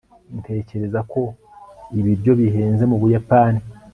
ntekereza ko ibiryo bihenze mu buyapani